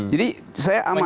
jadi saya amat